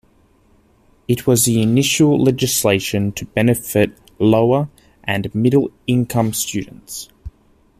It was the initial legislation to benefit lower- and middle-income students.